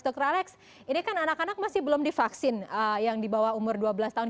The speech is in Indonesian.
dr alex ini kan anak anak masih belum divaksin yang di bawah umur dua belas tahun